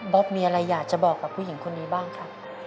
๊บมีอะไรอยากจะบอกกับผู้หญิงคนนี้บ้างครับ